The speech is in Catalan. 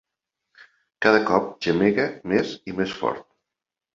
Cada cop gemega més i més fort.